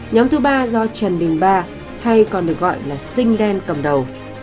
nhóm thứ ba do trần đình ba hay còn được gọi là sinh đen cầm đầu